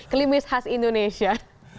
kelimis khas indonesia